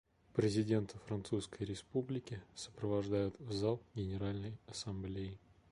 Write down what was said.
Президента Французской Республики сопровождают в зал Генеральной Ассамблеи.